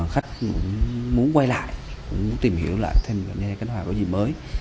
khách muốn quay lại muốn tìm hiểu lại thêm nhà giai đoạn khánh hòa có gì mới